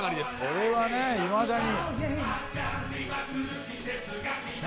「これはねいまだに」